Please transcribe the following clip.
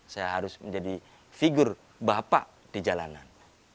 saya harus menjadi figur bapak di jalanan